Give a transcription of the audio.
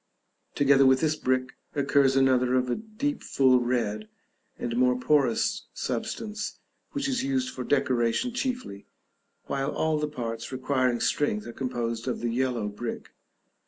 Together with this brick occurs another of a deep full red, and more porous substance, which is used for decoration chiefly, while all the parts requiring strength are composed of the yellow brick.